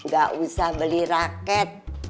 gak usah beli raket